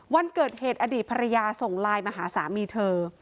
วันเกิดเหตุอดีตภรรยาส่งไลน์มาหาสามีเธอ